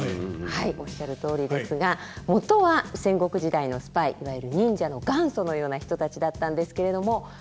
はいおっしゃるとおりですがもとは戦国時代のスパイいわゆる忍者の元祖のような人たちだったんですけれども。